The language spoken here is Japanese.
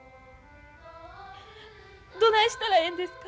どないしたらええんですか？